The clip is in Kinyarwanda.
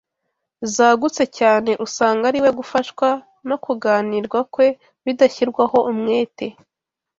zagutse cyane usanga ari we gufashwa no kunganirwa kwe bidashyirwaho umwete